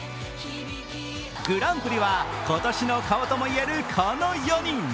グランプリは今年の顔とも言える、この４人。